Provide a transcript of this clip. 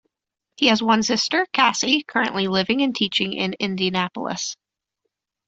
He has one sister Casie currently living and teaching in Indianapolis.